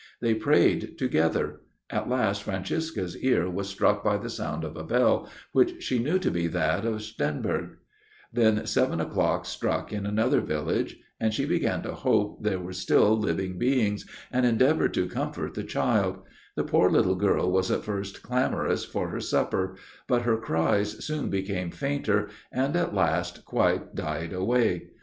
They prayed together; at last Francisca's ear was struck by the sound of a bell, which she knew to be that of Stenenberg; then seven o'clock struck in another village, and she began to hope there were still living beings, and endeavored to comfort the child; the poor little girl was at first clamorous for her supper; but her cries soon became fainter, and at last quite died away.